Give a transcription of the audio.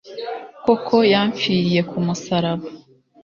Koko yamfiriye ku musaraba,